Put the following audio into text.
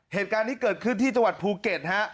เหตุการณ์นี้เกิดขึ้นที่จังหวัดภูเก็ตฮะ